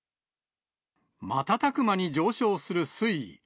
瞬く間に上昇する水位。